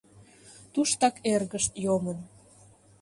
Туштак эргышт йомын.